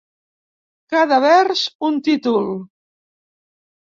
Cada vers, un títol.